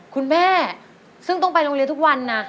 คุณแม่ซึ่งต้องไปโรงเรียนทุกวันนะ